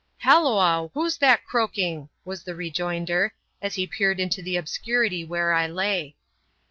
'* Halloo, who's that croaking?" was the rejoinder, as he peered into the obscurity where I lay.